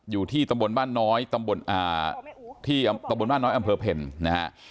อยู่ที่ตำบลบ้านน้อยอำเภอเพลจนะครับ